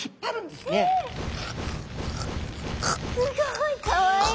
すごいかわいい！